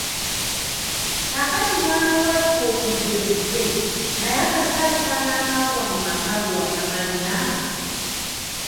Kaakati mwana wattu okujja ozze, naye akasaasaano akaagwa mu makaago wakamanya?